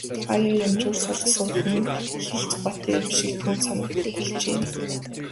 Хааяа янжуур сорж суух нь их л зугаатай юм шиг түүнд санагдах болжээ.